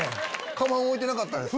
カバン置いてなかったですか？